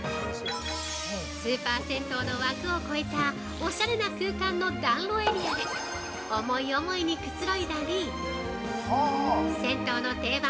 スーパー銭湯の枠を超えたおしゃれな空間の暖炉エリアで思い思いにくつろいだり銭湯の定番！